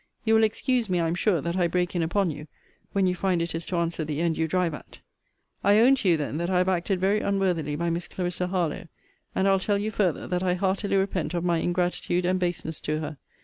You will excuse me, I am sure, that I break in upon you, when you find it is to answer the end you drive at. I own to you then that I have acted very unworthily by Miss Clarissa Harlowe; and I'll tell you farther, that I heartily repent of my ingratitude and baseness to her.